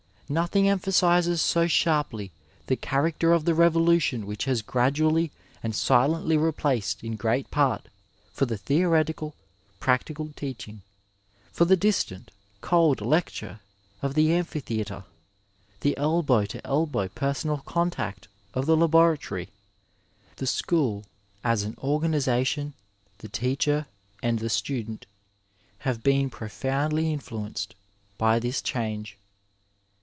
Nothing em 204 Digitized by Google AFTER TWENTY FIVE YEARS phasizes so sharply the character of the revolution which has gradually and silently replaced in great part for the theoretical, practical teaching, for the distant, cold lecture of the amphitheatre the dbow to elbow personal contact of the laboratory. The school, as an organization, the teacher and the student have been profoundly influenced by this change.